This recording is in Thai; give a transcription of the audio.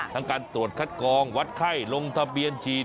ทั้งการตรวจคัดกองวัดไข้ลงทะเบียนฉีด